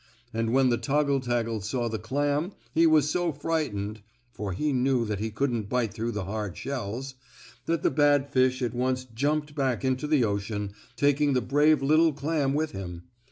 And when the toggle taggle saw the clam he was so frightened (for he knew that he couldn't bite through the hard shells) that the bad fish at once jumped back into the ocean, taking the brave little clam with him.